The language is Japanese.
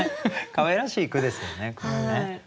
かわいらしい句ですよねこれね。